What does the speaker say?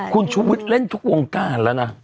คุณชูวิทย์เล่นทุกวงการแล้วนะ